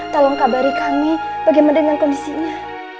tolong kabari kami bagaimana dengan kondisinya